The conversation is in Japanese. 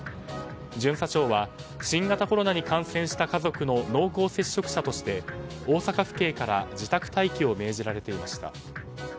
巡査長は新型コロナに感染した家族の濃厚接触者として大阪府警から自宅待機を命じられていました。